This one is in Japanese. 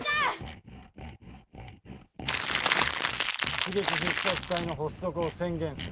一撃必殺隊の発足を宣言する。